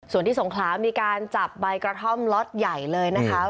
ส่วนที่สงขลามีการจับใบกระท่อมล็อตใหญ่เลยนะคะ